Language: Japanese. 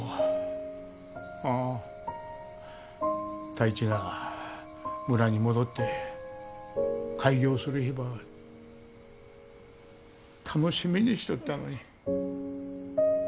太一が村に戻って開業する日ば楽しみにしとったのに。